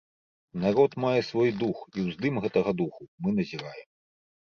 Народ мае свой дух, і ўздым гэтага духу мы назіраем.